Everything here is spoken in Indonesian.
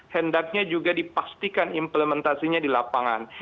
hendaknya juga dipastikan implementasinya di lapangan